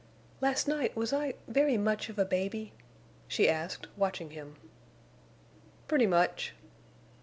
"Last night was I—very much of a baby?" she asked, watching him. "Pretty much."